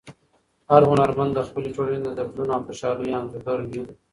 هر هنرمند د خپلې ټولنې د دردونو او خوشحالیو انځورګر وي.